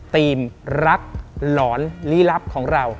ทีมรักหลอนลี้ลับของเรา